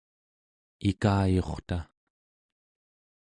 ikayurta